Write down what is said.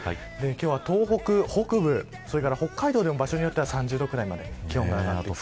今日は東北北部、北海道でも場所によっては３０度くらいまで気温が上がります。